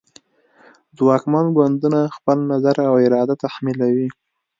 ځواکمن ګوندونه خپل نظر او اراده تحمیلوي